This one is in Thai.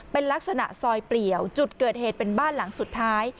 เป็นลักษณะซอยเปลี่ยวจุดเกิดเหตุเป็นบ้านหลังสุดท้าย